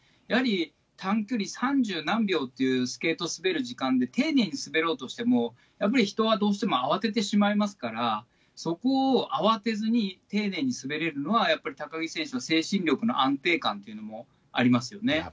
やはり短距離三十何秒ってスケート滑る時間で、丁寧に滑ろうとしても人はどうしても慌ててしまいますから、そこを慌てずに丁寧に滑れるのは、やっぱり高木選手の精神力の安定感というのもありますよね。